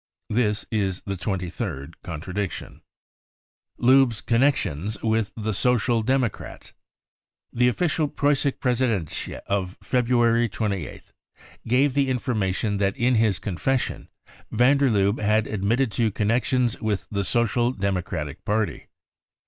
This is the twenty third contradiction. Lubbe's M Connections " with the Social Democrats. The official Preussische Pressedienst of February 28th, gave the information that in his confession, van der Lubbe had admitted to connections with the Social Democratic Party.